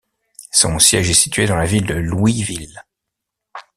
Son siège est situé dans la ville de Louisville.